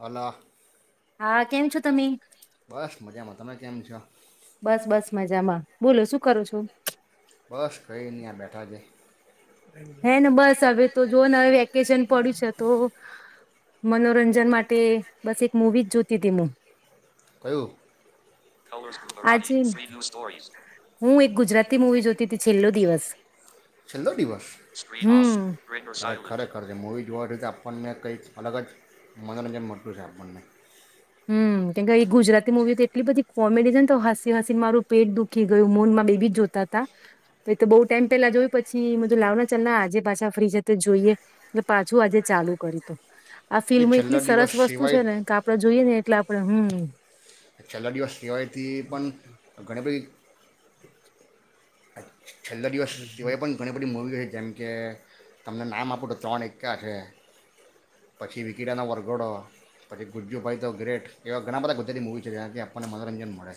Hello હા કેમ છો તમે? બસ મજામાં તમે કેમ છો? બસ બસ મજામાં. બોલો શું કરું છો? બસ કઈ નહીં આ બેઠા છે. હે ને બસ હવે તો જોને હવે વેકેશન પડ્યું છે તો મનોરંજન માટે બસ એક મૂવી જ જોતી હતી હું. કયુ? આજે [inaudible] હું એક ગુજરાતી મુવી જોતી હતી છેલ્લો દિવસ. છેલ્લો દિવસ હમ ખરેખર છે મુવી જોવાથી તો આપણને કંઈક અલગ જ મનોરંજન મળતું છે આપણને હમ કેમ કે એ ગુજરાતી મુવી તો એટલી બધી કોમેડી છે ને તો હસી હસીને મારું પેટ દુખી ગયું મૂન માર બેબી જોત હતા બહુ ટાઈમ પેલા જોય પછી મેધું લાવ ના ચાલ ના આજે પાછા ફ્રી સ તો જોઈએ. એ પાછું આજે ચાલુ કરીયું હતું આ નહીં ફિલ્મ છેલ્લો એટલી દિવસ સરસ વસ્તુ સિવાય છે ને કે આપડે જોઈએ ને એટલે આપડે હમ છેલ્લા દિવસ સિવાયથી પણ ઘણી બધી છેલ્લા દિવસ સિવાય પણ ઘણી બધી મૂવી છે જેમ કે તમને નામ આપું તો ત્રણ એકકા છે. પછી વિકી ડા નો વરગડો પછી ગુજ્જુ ભાઈ તો ગ્રેટ એવા ઘણા બધા બુધની મૂવી છે જ્યાંથી આપણને મનોરંજન મળે.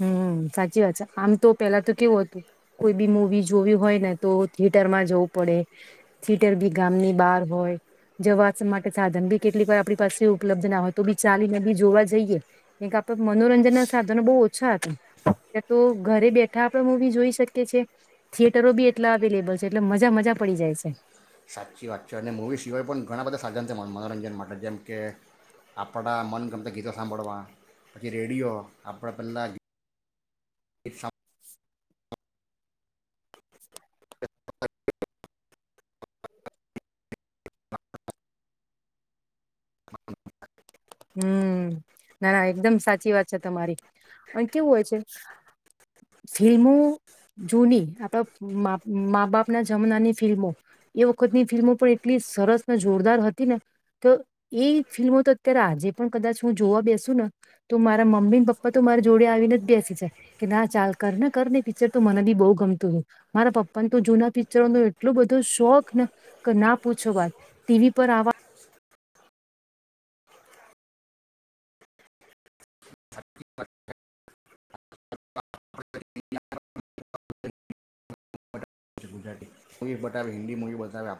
હમ સાચી વાત છે આમ તો પેલા તો કેવું હતું? કોઈ બી મુવી જોવી હોય ને તો થિયેટર માં જવું પડે. થીટર બી ગામની બહાર હોય. જવા માટે સાધન બી કેટલીક વાર આપણી પાસે ઉપલબ્ધ ના હોય તો બી ચાલીને બી જોવા જઈએ. એક આપે મનોરંજન ના સાધનો બહુ છા તું ત્યા તો ઘરે બેઠા આપડે મૂવી જોઈ શકીએ છે. થિયેટરો બી એટલા અવેલેબલ છે એટલે મજા મજા પડી જાય છે. સાચી વાતચો અને મૂવી સિવાય પણ ઘણા બધા સાધન છે મનોરંજન માટે જેમ કે આપણાં મન ગમતા ગીતો સાંભળવા પછી રેડિયો આપણે પેલાં હમ ના ના એકદમ સાચી વાત છે તમારી અને કેવું હોય છે ફિલ્મો જૂની આપ મા માંબાપના જમાંનાની ફિલ્મો એ વખતની ફિલ્મો પણ એટલી સરસ ને જોરદાર હતી ને તો એ ફિલ્મો તો ત્યારે આજે પણ કદાચ હું જોવા બેસુ ને તો મારા મમ્મી ને પપ્પા તો મારા જોડે આવીને જ બેસી જાય કે ના ચાલ કર ને કર ને પિક્ચર તો મને બી બહુ ગમતું હતું મારા પપ્પાને તો જૂના પિક્ચરો નો એટલો બધો શોખ ને કે ના પૂછો વાત ટીવી પર આવવા ગુજરાતીટીવી મુવી બતાવે હિન્દી મૂવી બતાવે આપ